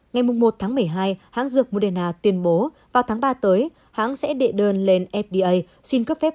ngày một tháng một mươi hai hãng dược moderna tuyên bố vào tháng ba tới hãng sẽ đệ đơn lên fda xin cấp phép